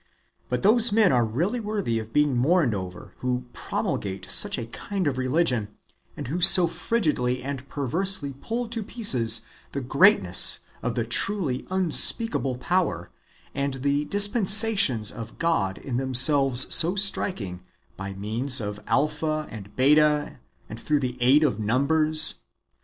But those men are really worthy of being mourned over, who promulgate such a kind of religion, and who so frigidly and perversely pull to pieces the greatness of the truly unspeakable power, and the dispensations of God in themselves so striking, by means of Alpha and Beta, and through the aid of numbers.